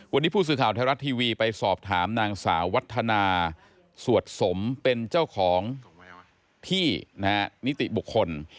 วันนี้ผู้สื่อข่าวไทยรัฐทีวีไปสอบถามนางสาววัฒนาสวดสมเป็นเจ้าของที่นิติบุคคล